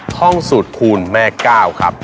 ห้องสูตรคูณแม่ก้าวครับ